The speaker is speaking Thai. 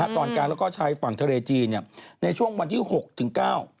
ตอนกลางแล้วก็ชายฝั่งทะเลจีนในช่วงวันที่๖ถึง๙